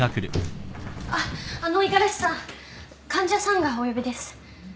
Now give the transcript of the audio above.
あっあの五十嵐さん患者さんがお呼びです。